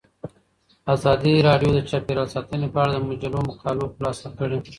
ازادي راډیو د چاپیریال ساتنه په اړه د مجلو مقالو خلاصه کړې.